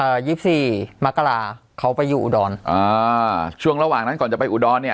ยี่สิบสี่มกราเขาไปอยู่อุดรอ่าช่วงระหว่างนั้นก่อนจะไปอุดรเนี่ย